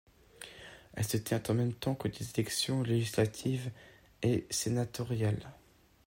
Elle se tient en même temps que des élections législatives et sénatoriales.